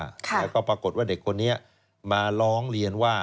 แล้วก็ปรากฏว่าเด็กคนนี้มาร้องเรียนว่า